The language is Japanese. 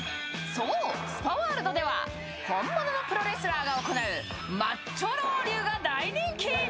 そう、スパワールドでは本物のプロレスラーが行うマッチョロウリュが大人気。